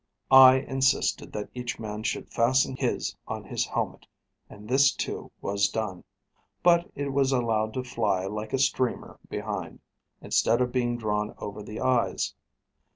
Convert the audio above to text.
I insisted that each man should fasten his on his helmet, and this, too, was done; but it was allowed to fly like a streamer behind, instead of being drawn over the eyes.